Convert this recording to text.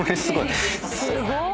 すごい！